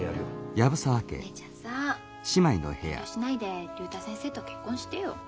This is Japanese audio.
お姉ちゃんさあ遠慮しないで竜太先生と結婚してよ。